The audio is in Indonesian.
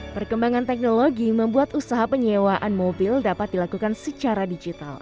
perkembangan teknologi membuat usaha penyewaan mobil dapat dilakukan secara digital